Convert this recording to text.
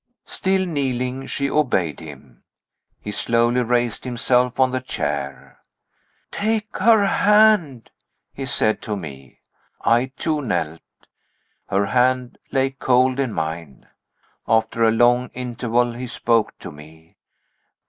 Still kneeling, she obeyed him. He slowly raised himself on the chair. "Take her hand," he said to me. I too knelt. Her hand lay cold in mine. After a long interval he spoke to me.